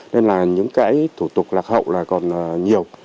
nên là những cái thủ tục lạc hậu là còn nhiều